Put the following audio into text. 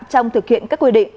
trong thực hiện các quy định